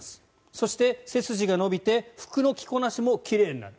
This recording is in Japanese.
そして、背筋が伸びて服の着こなしも奇麗になる。